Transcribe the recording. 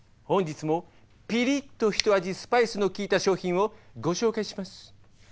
本日もピリッとひと味スパイスの効いた商品をご紹介します。